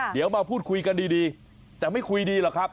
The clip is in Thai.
เดี๋ยวมาพูดคุยกันดีแต่ไม่คุยดีหรอกครับ